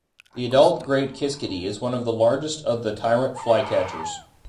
The adult great kiskadee is one of the largest of the tyrant flycatchers.